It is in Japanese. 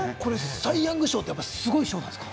サイ・ヤング賞ってすごいんですか？